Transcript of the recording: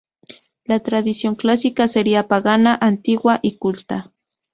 La tradición clásica sería pagana, antigua y culta.